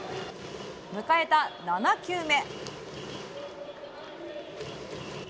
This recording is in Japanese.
迎えた７球目。